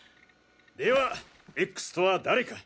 ではＸとは誰か！